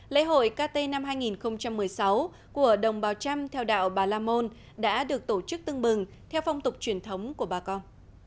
lễ hội kt năm hai nghìn một mươi sáu của đồng bào trăm theo đạo bà la môn đã được tổ chức tưng bừng theo phong tục truyền thống của bà con